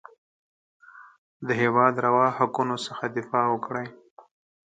د هېواد روا حقونو څخه دفاع وکړي.